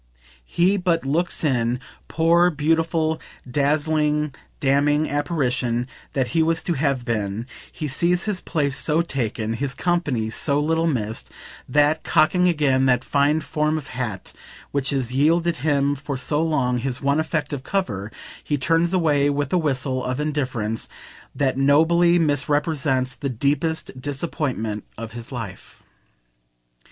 He but "looks in," poor beautiful dazzling, damning apparition that he was to have been; he sees his place so taken, his company so little missed, that, cocking again that fine form of hat which has yielded him for so long his one effective cover, he turns away with a whistle of indifference that nobly misrepresents the deepest disappointment of his life.